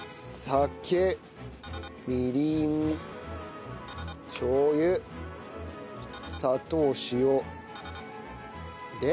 酒みりんしょう油砂糖塩。で？